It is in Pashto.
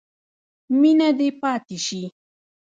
مینه دې پاتې شي.